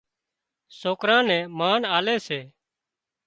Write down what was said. سوڪران نين مانَ آلي سي